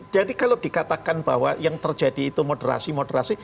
jadi kalau dikatakan bahwa yang terjadi itu moderasi moderasi